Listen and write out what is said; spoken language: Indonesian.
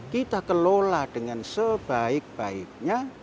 kita kelola dengan sebaik baiknya